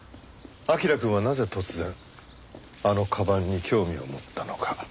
彬くんはなぜ突然あの鞄に興味を持ったのか。